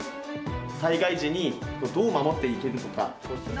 災害時にどう守っていけるのか。